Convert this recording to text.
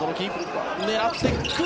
狙ってくる。